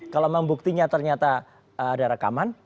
kalau membuktinya ternyata ada rekaman